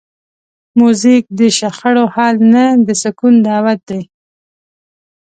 موزیک د شخړو حل نه، د سکون دعوت دی.